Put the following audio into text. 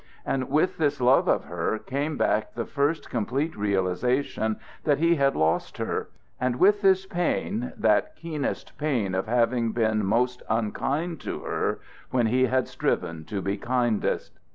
And with this love of her came back the first complete realization that he had lost her; and with this pain, that keenest pain of having been most unkind to her when he had striven to be kindest.